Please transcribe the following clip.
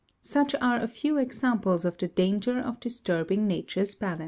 Such are a few examples of the danger of disturbing nature's balance.